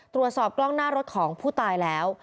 ตรวจสอบกล้องหน้ารถของผู้ตายแล้ว